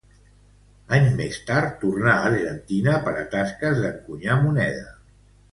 Anys més tard tornà a Argentina per a tasques d'encunyar moneda.